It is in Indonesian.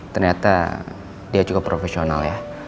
ternyata dia cukup profesional ya